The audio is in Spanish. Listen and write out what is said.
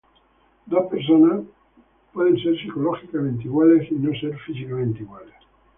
Dos personas pueden ser psicológicamente iguales y no ser físicamente iguales.